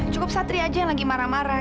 cukup satria aja yang lagi marah marah